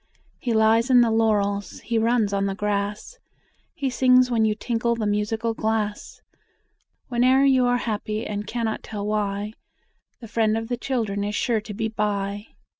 He lies in the laurels, he runs on the grass, He sings when you tinkle the musical glass; Whene'er you are happy and cannot tell why, The Friend of the Children is sure to be by!